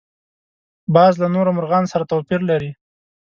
باز له نورو مرغانو سره توپیر لري